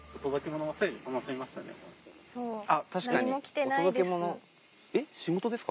あっ確かにお届けモノ。